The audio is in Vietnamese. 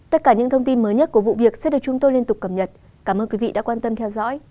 hãy đăng ký kênh để ủng hộ kênh của mình nhé